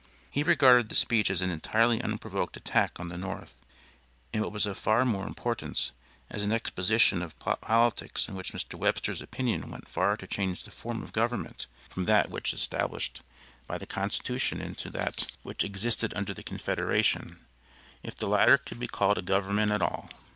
He regarded the speech as an entirely unprovoked attack on the North, and what was of far more importance, as an exposition of politics in which Mr. Webster's opinion went far to change the form of government from that which was established by the constitution into that which existed under the confederation if the latter could be called a government at all.